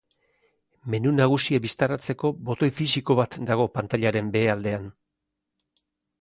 Menu nagusia bistaratzeko botoi fisiko bat dago pantailaren behealdean.